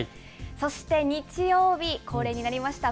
そして日曜日、恒例になりました